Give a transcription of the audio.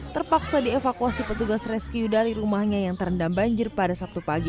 terpaksa dievakuasi petugas rescue dari rumahnya yang terendam banjir pada sabtu pagi